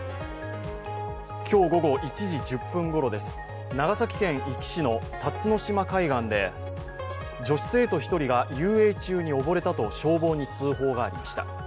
今日午後１時１０分ごろです、長崎県壱岐市の辰の島海岸で女子生徒１人が遊泳中に溺れたと消防に通報がありました。